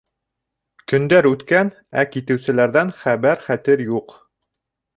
Көндәр үткән, ә китеүселәрҙән хәбәр-хәтер юҡ.